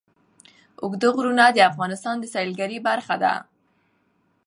اوږده غرونه د افغانستان د سیلګرۍ برخه ده.